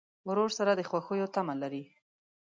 ورور سره د خوښیو تمه لرې.